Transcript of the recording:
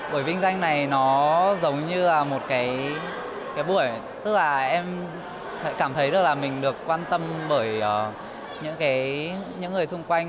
bởi vinh danh này nó giống như là một cái buổi tức là em cảm thấy là mình được quan tâm bởi những người xung quanh